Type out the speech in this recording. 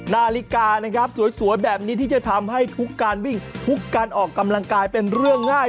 นาฬิกานะครับสวยแบบนี้ที่จะทำให้ทุกการวิ่งทุกการออกกำลังกายเป็นเรื่องง่าย